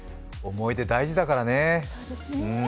思い出、大事だからね。